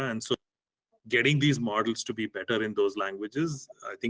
jadi mendapatkan model ini menjadi lebih baik di bahasa lain